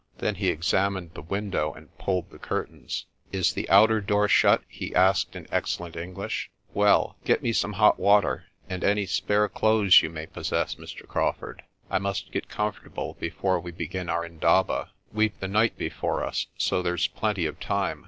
Then he examined the window and pulled the curtains. "Is the outer door shut?' he asked in excellent English. "Well, get me some hot water, and any spare clothes you may possess, Mr. Crawfurd. I must get comfortable before we begin our mdaba* We've the night before us, so there's plenty of time.